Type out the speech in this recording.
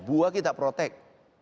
buah kita protek